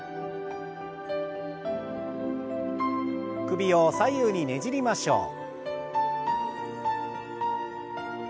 首を左右にねじりましょう。